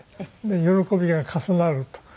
「喜びが重なる」と。